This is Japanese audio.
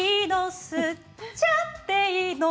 吸っちゃっていいの？」